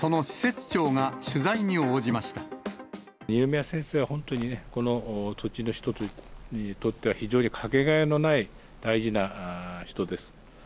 きょう、二宮先生は本当にね、この土地の人にとっては非常にかけがえのない、大事な人です。